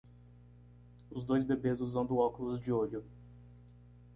os dois bebês usando óculos de olho